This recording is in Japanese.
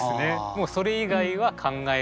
もうそれ以外は考えられない。